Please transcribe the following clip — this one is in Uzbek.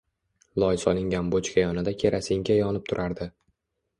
Loy solingan bochka yonida kerosinka yonib turadi.